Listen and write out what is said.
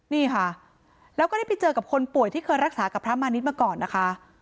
นี่ค่ะแล้วก็ได้ไปเจอกับคนป่วยที่เคยรักษากับพระมาณิชย์มาก่อนนะคะ